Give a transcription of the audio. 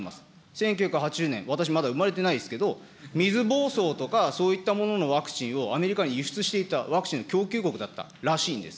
１９８０年、私、まだ生まれてないですけど、水ぼうそうとかそういったもののワクチンをアメリカに輸出していた、ワクチンの供給国だったらしいんです。